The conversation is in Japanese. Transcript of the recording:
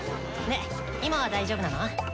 で今は大丈夫なの？